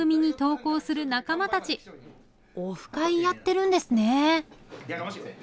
オフ会やってるんですね